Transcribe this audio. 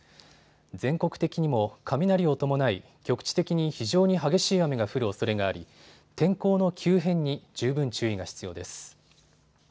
全国的にも雷を伴い局地的に非常に激しい雨が降るおそれがあり、天候の急変に十分注意が必要です。